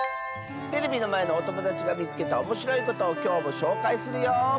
テレビのまえのおともだちがみつけたおもしろいことをきょうもしょうかいするよ！